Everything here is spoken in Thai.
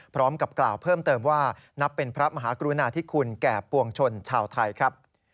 พร้อมกับกล่าวเพิ่มเติมว่านับเป็นพระมหากรุณาธิคุณแก่ปวงชนชาวไทยครับ